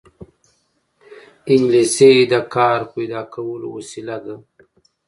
انګلیسي د کار پیدا کولو وسیله ده